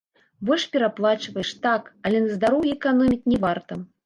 Больш пераплачваеш, так, але на здароўі эканоміць не варта.